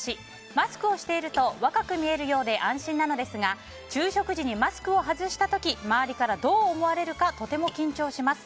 マスクをしていると若く見えるようで安心なのですが昼食時にマスクを外した時周りからどう思われるかとても緊張します。